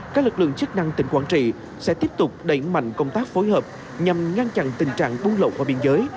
các lực lượng chức năng tỉnh quảng trị sẽ tiếp tục đẩy mạnh công tác phối hợp nhằm ngăn chặn tình trạng buôn lộng qua biên giới